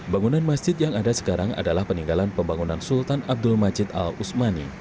bangunan masjid yang ada sekarang adalah peninggalan pembangunan sultan abdul majid al usmani